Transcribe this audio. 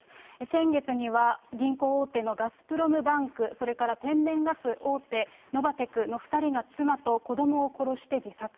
先月には銀行大手のガスプロムバンク、それから天然ガス大手、ノバテクの２人が妻と子どもを殺して自殺。